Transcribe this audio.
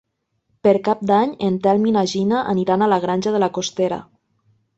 Per Cap d'Any en Telm i na Gina aniran a la Granja de la Costera.